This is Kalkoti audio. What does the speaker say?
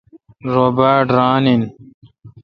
رو باڑ ران این۔